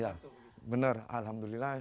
ya benar alhamdulillah